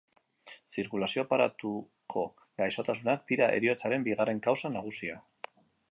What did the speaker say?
Zirkulazio aparatuko gaixotasunak dira heriotzen bigarren kausa nagusia.